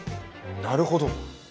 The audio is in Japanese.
なるほど。